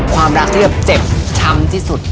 ความรักแบบเจ็บชั้นที่สุด